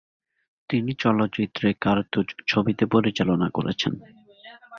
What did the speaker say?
তিনি চলচ্চিত্রে কার্তুজ ছবিতে পরিচালনা করেছেন।